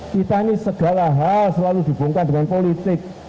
kita ini segala hal selalu dihubungkan dengan politik